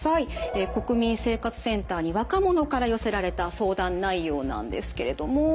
国民生活センターに若者から寄せられた相談内容なんですけれども。